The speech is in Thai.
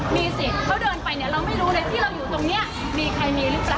มีสิทธิ์เขาเดินไปเนี่ยเราไม่รู้เลยที่เราอยู่ตรงนี้มีใครมีหรือเปล่า